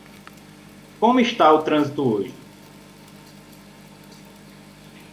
Como está o trânsito hoje?